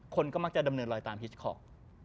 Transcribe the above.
คนก็มักจะดำเนินลอยตามฮิชคอก